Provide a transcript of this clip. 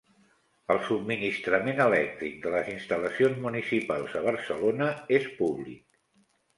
El subministrament elèctric de les instal·lacions municipals a Barcelona és públic